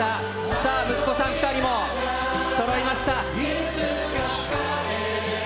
さあ、息子さん２人もそろいました。